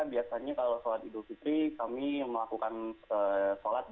biasanya kalau sholat idul fitri kami melakukan sholat